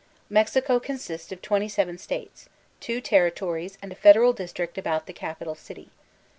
Mexico consbts of twenty* seven states, two territories and a federal district about the capital city.